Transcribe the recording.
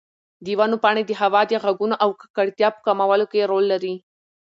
د ونو پاڼې د هوا د غږونو او ککړتیا په کمولو کې رول لري.